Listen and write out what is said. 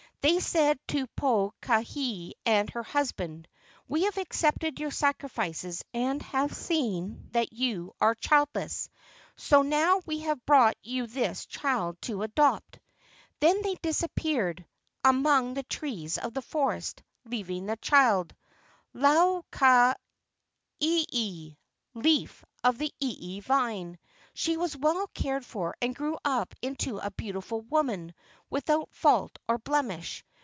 They said to Pokahi and her husband, "We have accepted your sacrifices and have seen that you are childless, so now we have brought you this child to adopt." Then they disappeared among the trees of the forest, leaving the child, Lau ka f ieie (leaf of the ieie vine). She was well cared for and grew up into a beautiful woman with¬ out fault or blemish.